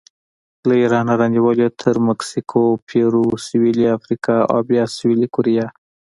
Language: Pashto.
له ایرانه رانیولې تر مکسیکو، پیرو، سویلي افریقا او بیا سویلي کوریا